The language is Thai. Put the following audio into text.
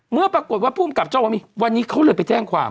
เมื่อปรากฏว่าภูมิกับเจ้าว่ามีวันนี้เขาเลยไปแจ้งความ